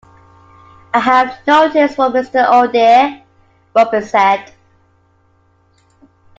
"I have no tears for Mr. Odeh," Rubin said.